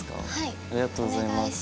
ありがとうございます。